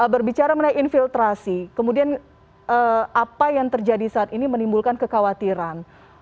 berbicara mengenai infiltrasi kemudian apa yang terjadi saat ini menimbulkan kekhawatiran